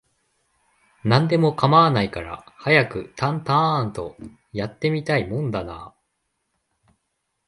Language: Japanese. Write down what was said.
何でも構わないから、早くタンタアーンと、やって見たいもんだなあ